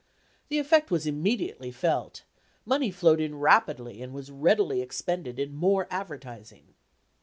The effect was immediately felt; money flowed in rapidly and was readily expended in more advertising.